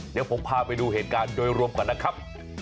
เดี๋ยวผมพาไปดูเหตุการณ์โดยรวมก่อนนะครับ